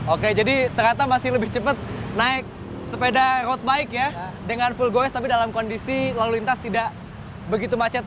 oke jadi ternyata masih lebih cepat naik sepeda road bike ya dengan full goes tapi dalam kondisi lalu lintas tidak begitu macet